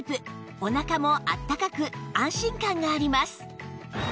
お腹もあったかく安心感があります